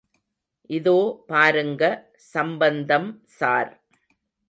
இதோ பாருங்க சம்பந்தம் ஸார்.